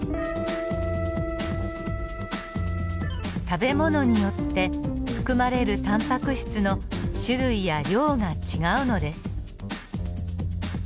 食べ物によって含まれるタンパク質の種類や量が違うのです。